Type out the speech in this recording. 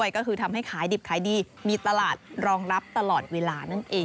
ก็คือทำให้ขายดิบขายดีมีตลาดรองรับตลอดเวลานั่นเอง